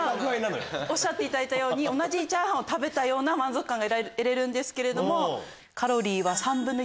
おっしゃっていただいたようにチャーハンを食べたような満足感が得られるんですけれども。